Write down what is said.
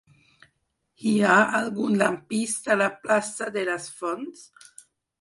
Hi ha algun lampista a la plaça de les Fonts?